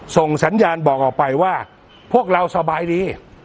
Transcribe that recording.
ส่งสัญญาณบอกออกไปว่าพวกเราสบายดี